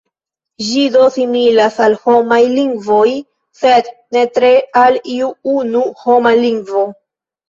Ĝi do similas al homaj lingvoj, sed ne tre al iu unu homa lingvo.